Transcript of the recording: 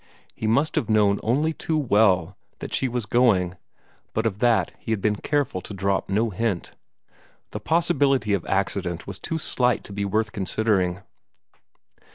He must have known only too well that she was going, but of that he had been careful to drop no hint. The possibility of accident was too slight to be worth considering.